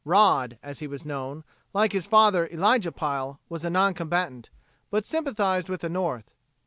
"Rod" as he was known, like his father, Elijah Pile, was a non combatant, but sympathized with the North.